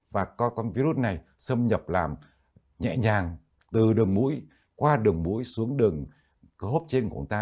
và coi con virus này xâm nhập làm nhẹ nhàng từ đường mũi qua đường mũi xuống đường hốp trên của chúng ta